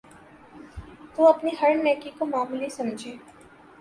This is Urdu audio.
تو اپنی ہر نیکی کو معمولی سمجھے